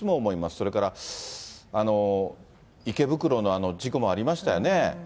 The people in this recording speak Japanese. それから池袋の事故もありましたよね。